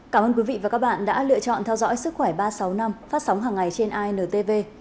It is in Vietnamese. cảm ơn quý vị và các bạn đã lựa chọn theo dõi sức khỏe ba trăm sáu mươi năm phát sóng hàng ngày trên intv